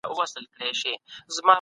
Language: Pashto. علامه رشاد یو ریښتینی افغان متفکر وو.